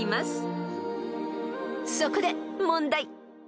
［そこで問題］